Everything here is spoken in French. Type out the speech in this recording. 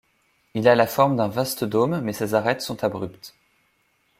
Il a la forme d'un vaste dôme mais ses arêtes sont abruptes.